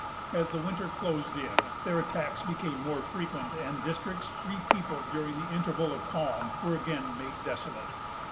As the winter closed in, their attacks became more frequent; and districts, repeopled during the interval of calm, were again made desolate.